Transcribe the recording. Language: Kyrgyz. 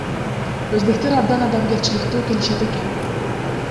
Өзбектер абдан адамгерчиликтүү келишет экен.